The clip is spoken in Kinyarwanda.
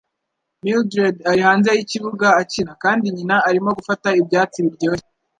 Mildred ari hanze yikibuga akina, kandi nyina arimo gufata ibyatsi biryoshye.